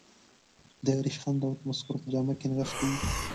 د رشخند او تمسخر په جامه کې نغښتې وي.